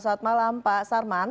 selamat malam pak sarman